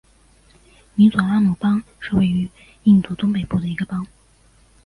米佐拉姆邦是位于印度东北部的一个邦。